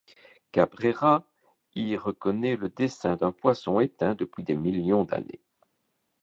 Cabrera y reconnaît le dessin d'un poisson éteint depuis des millions d'années.